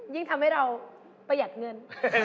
ยิ่งทำให้เราประหยัดเงิน